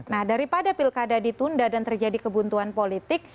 nah daripada pilkada ditunda dan terjadi kebuntuan politik